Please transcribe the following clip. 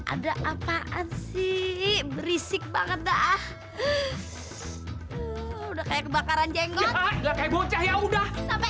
ada apaan sih berisik banget dah udah kayak kebakaran jenggot bocah ya udah sampai